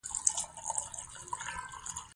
ځمکه د افغانستان د اوږدمهاله پایښت لپاره مهم رول لري.